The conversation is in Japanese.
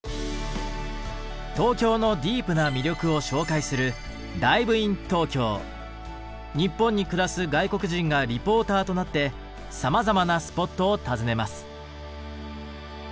東京のディープな魅力を紹介する日本に暮らす外国人がリポーターとなってさまざまなスポットを訪ねます。